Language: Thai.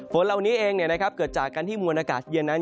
ฝนเหล่านี้เองเกิดจากการที่มวลอากาศเย็นนั้น